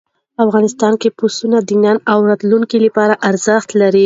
افغانستان کې پسه د نن او راتلونکي لپاره ارزښت لري.